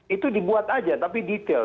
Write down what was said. itu dibuat aja tapi detail